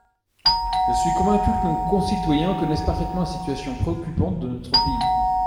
Je suis convaincu que nos concitoyens connaissent parfaitement la situation préoccupante de notre pays.